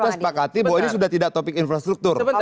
kita sepakati bahwa ini sudah tidak topik infrastruktur